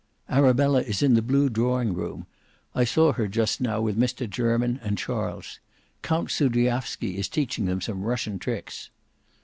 "Arabella is in the blue drawing room. I saw her just now with Mr Jermyn and Charles. Count Soudriaffsky is teaching them some Russian tricks."